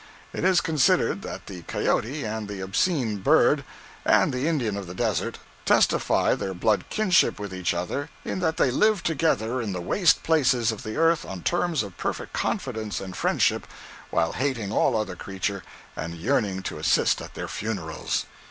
It is considered that the cayote, and the obscene bird, and the Indian of the desert, testify their blood kinship with each other in that they live together in the waste places of the earth on terms of perfect confidence and friendship, while hating all other creature and yearning to assist at their funerals.